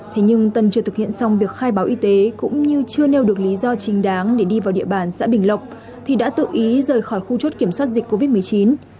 thế nhưng tân chưa thực hiện xong việc khai báo y tế cũng như chưa nêu được lý do chính đáng để đi vào địa bàn xã bình lộc thì đã tự ý rời khỏi khu chốt kiểm soát dịch covid một mươi chín